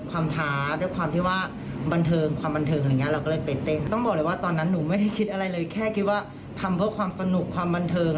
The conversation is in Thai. ว่าทำเพื่อความสนุกความบันเทิง